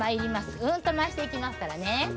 うんと回していきますからね。